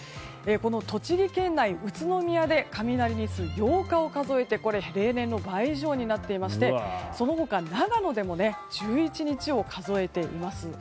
栃木県内、宇都宮で雷日数８日を数えてこれは例年の倍以上になっていましてその他、長野でも１１日を数えています。